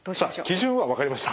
基準は分かりました。